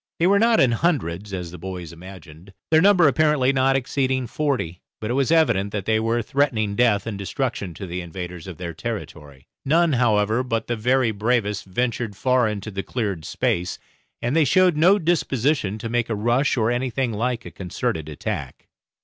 They were not in hundreds, as the boys imagined, their number apparently not exceeding forty; but it was evident that they were threatening death and destruction to the invaders of their territory. None, however, but the very bravest ventured far into the cleared space, and they showed no disposition to make a rush or anything like a concerted attack.